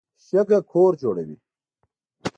شګه کور جوړوي.